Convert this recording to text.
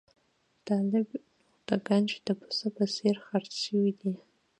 طالب نور د ګنج د پسه په څېر خرڅ شوی دی.